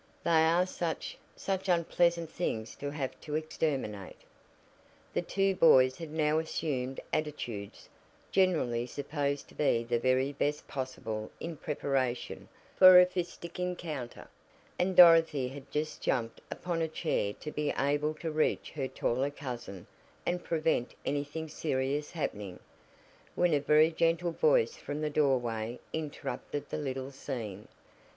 "They are such such unpleasant things to have to exterminate." The two boys had now assumed attitudes generally supposed to be the very best possible in preparation for a fistic encounter, and Dorothy had just jumped upon a chair to be able to reach her taller cousin and prevent anything serious happening, when a very gentle voice from the doorway interrupted the little scene.